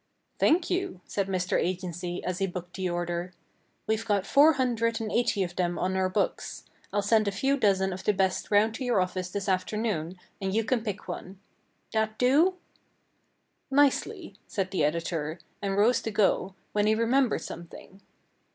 "Thank you," said Mr. Agency as he booked the order. "We've got four hundred and eighty of them on our books. I'll send a few dozen of the best round to your office this afternoon and you can pick one. That do?" "Nicely," said the Editor, and rose to go, when he remembered something.